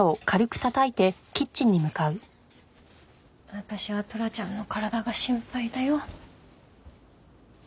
私はトラちゃんの体が心配だよ。